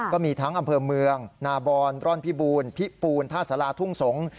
ก็มีทั้งอำเภอเมืองนาบอนร่อนพิบูลพิปูนท่าสาราทุ่งสงศ์